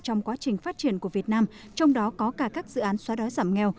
trong quá trình phát triển của việt nam trong đó có cả các dự án xóa đói giảm nghèo